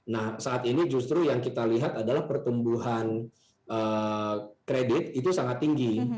nah saat ini justru yang kita lihat adalah pertumbuhan kredit itu sangat tinggi